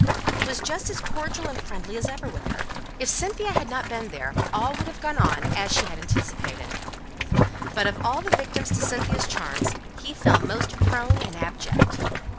He was just as cordial and friendly as ever with her. If Cynthia had not been there, all would have gone on as she had anticipated; but of all the victims to Cynthia's charms he fell most prone and abject.